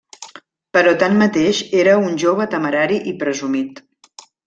Però tanmateix, era un jove temerari i presumit.